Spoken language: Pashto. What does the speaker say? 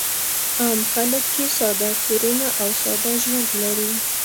عام خلک یې ساده کورونه او ساده ژوند لري.